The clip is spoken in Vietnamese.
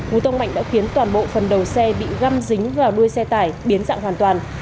núi tông mạnh đã khiến toàn bộ phần đầu xe bị găm dính vào đuôi xe tải biến dạng hoàn toàn